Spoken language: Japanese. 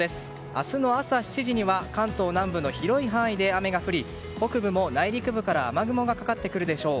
明日の朝７時には関東南部の広い範囲で雨が降り北部も内陸部から雨雲がかかってくるでしょう。